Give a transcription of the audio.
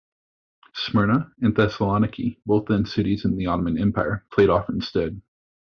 Smyrna and Thessaloniki, both then cities in the Ottoman Empire, played off instead.